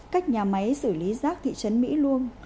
cách nhà máy xử lý rác thị trấn mỹ luông